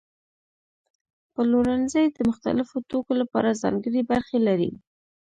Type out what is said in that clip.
پلورنځي د مختلفو توکو لپاره ځانګړي برخې لري.